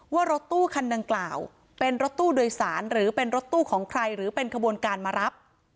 ว่ารถตู้คันดังกล่าวเป็นรถตู้โดยสารหรือเป็นรถตู้ของใครหรือเป็นขบวนการมารับ